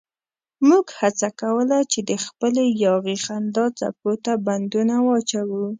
موږ هڅه کوله چې د خپلې یاغي خندا څپو ته بندونه واچوو.